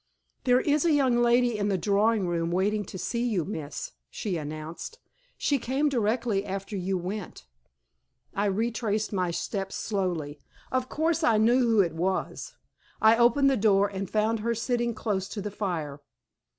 "There is a young lady in the drawing room waiting to see you, miss," she announced; "she came directly after you went." I retraced my steps slowly. Of course I knew who it was. I opened the door, and found her sitting close to the fire.